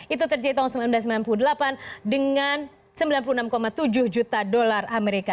itu terjadi tahun seribu sembilan ratus sembilan puluh delapan dengan sembilan puluh enam tujuh juta dolar amerika